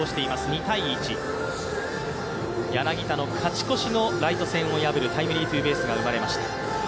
２−１、柳田の勝ち越しのライト線を破るタイムリーツーベースが生まれました。